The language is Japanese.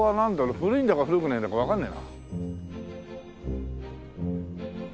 古いんだか古くないんだかわかんねえな。